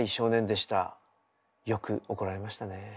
よく怒られましたねえ。